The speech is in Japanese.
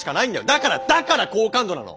だからだから好感度なの！